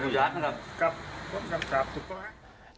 ครับครับถูกปะ